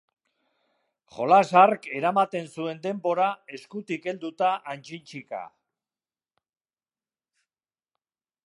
Jolas hark eramaten zuen denbora eskutik helduta antxintxika.